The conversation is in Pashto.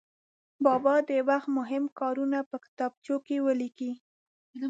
بابا د وخت مهم کارونه په کتابچو کې ولیکي.